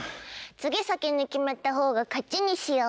次先に決めたほうが勝ちにしよう。